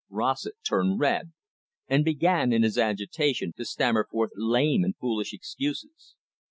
Rossett turned red, and began, in his agitation, to stammer forth lame and foolish excuses.